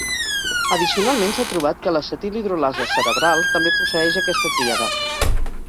Addicionalment s’ha trobat que l’acetil hidrolasa cerebral també posseeix aquesta tríada.